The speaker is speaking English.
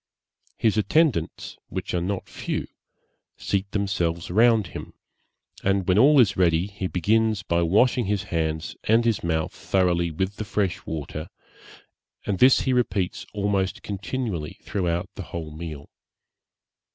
His attendants, which are not few, seat themselves round him, and when all is ready, he begins by washing his hands and his mouth thoroughly with the fresh water, and this he repeats almost continually throughout the whole meal.